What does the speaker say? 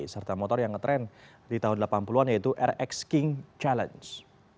serta motor yang ngetrend di tahun delapan puluh an yaitu rx king challenge